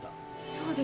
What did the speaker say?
そうです。